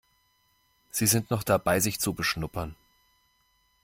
Sie sind noch dabei, sich zu beschnuppern.